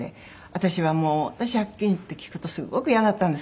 私はもう借金って聞くとすごく嫌だったんですけど。